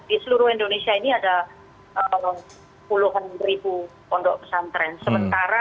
di seluruh indonesia ini ada puluhan ribu kasus kasus yang muncul di pondok pesantren